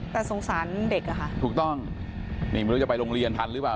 แต่สงสารเด็กอะค่ะถูกต้องนี่ไม่รู้จะไปโรงเรียนทันหรือเปล่า